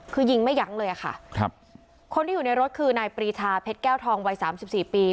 คือยิงไม่ยั้งเลยอะค่ะครับคนที่อยู่ในรถคือนายปรีชาเพชรแก้วทองวัยสามสิบสี่ปี